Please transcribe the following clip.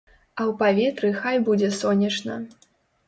А ў паветры хай будзе сонечна.